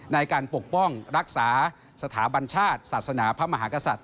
ในการปกป้องรักษาสถาบันชาติศาสนาพระมหากษัตริย